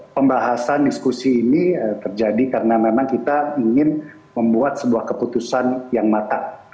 pembahasan diskusi ini terjadi karena memang kita ingin membuat sebuah keputusan yang matang